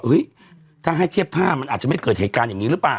ถ้าให้เทียบภาพมันอาจจะไม่เกิดเหตุการณ์อย่างนี้หรือเปล่า